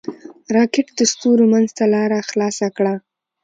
راکټ د ستورو منځ ته لاره خلاصه کړه